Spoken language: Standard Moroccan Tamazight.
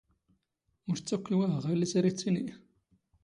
ⵓⵔ ⵜⵜ ⴰⴽⴽⵯ ⵉⵡⵉⵖ ⵖ ⴰⵢⵍⵍⵉ ⵙ ⴰⵔ ⵉⵜⵜⵉⵏⵉ.